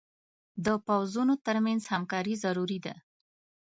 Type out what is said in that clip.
د پوځونو تر منځ همکاري ضروري ده.